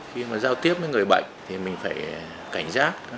khi mà giao tiếp với người bệnh thì mình phải cảnh giác